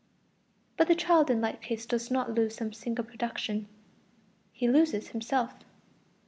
But the child in like case does not lose some single production; he loses himself.